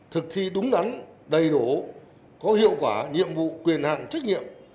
thực thi đúng đắn đầy đủ có hiệu quả nhiệm vụ quyền hạn trách nhiệm